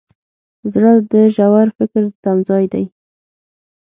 زړه د ژور فکر تمځای دی.